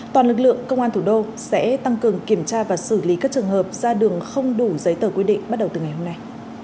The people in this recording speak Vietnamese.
toàn lực lượng công an thủ đô sẽ tăng cường kiểm tra và xử lý các trường hợp ra đường không đủ giấy tờ quy định bắt đầu từ ngày hôm nay